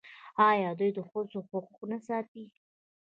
آیا دوی د ښځو حقوق نه ساتي؟